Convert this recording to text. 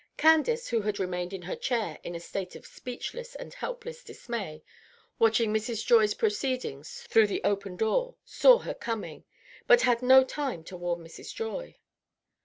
Candace, who had remained in her chair in a state of speechless and helpless dismay, watching Mrs. Joy's proceedings through the open door, saw her coming, but had no time to warn Mrs. Joy.